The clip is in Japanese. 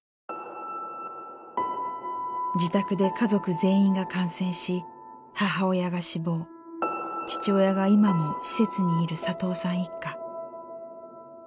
自宅で家族全員が感染し母親が死亡父親が今も施設にいる佐藤さん一家。